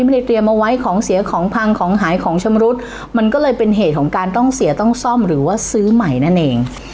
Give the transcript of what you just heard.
ไม่ได้เตรียมเอาไว้ของเสียของพังของหายของชำรุดมันก็เลยเป็นเหตุของการต้องเสียต้องซ่อมหรือว่าซื้อใหม่นั่นเอง